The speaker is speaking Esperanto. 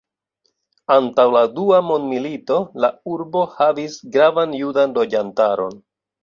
Antaŭ la Dua mondmilito, la urbo havis gravan judan loĝantaron.